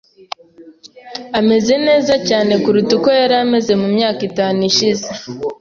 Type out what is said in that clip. Ameze neza cyane. kuruta uko yari ameze mu myaka itanu ishize .